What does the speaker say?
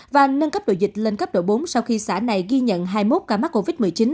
và nâng cấp độ dịch lên cấp độ bốn sau khi xã này ghi nhận hai mươi một ca mắc covid một mươi chín